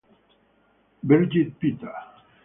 Birgit Peter